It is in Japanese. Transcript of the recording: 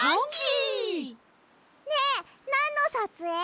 ねえなんのさつえい？